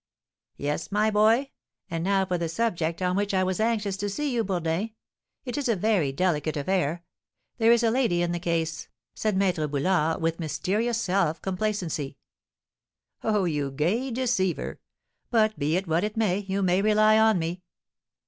"Yes, my boy. And now for the subject on which I was anxious to see you, Bourdin; it is a very delicate affair, there is a lady in the case!" said Maître Boulard, with mysterious self complacency. "Oh, you gay deceiver! But, be it what it may, you may rely on me."